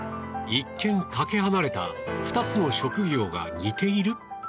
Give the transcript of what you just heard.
一見かけ離れた２つの職業が似ている？